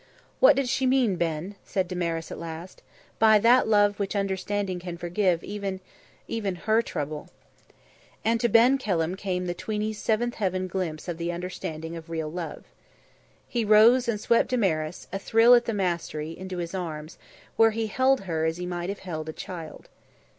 "What did she mean, Ben," said Damaris at last, "by that love which understanding can forgive even even her trouble?" And to Ben Kelham came the tweeny's seventh heaven glimpse of the understanding of real love. He rose and swept Damaris, a thrill at the mastery, into his arms, where he held her as he might have held a child.